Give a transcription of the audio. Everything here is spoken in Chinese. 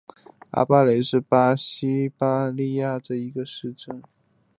阿巴雷是巴西巴伊亚州的一个市镇。